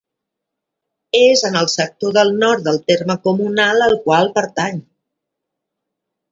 És en el sector del nord del terme comunal al qual pertany.